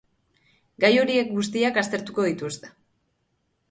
Gai horiek guztiak aztertuko dituzte.